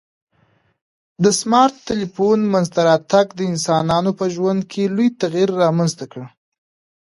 د سمارټ ټلیفون منځته راتګ د انسانانو په ژوند کي لوی تغیر رامنځته کړ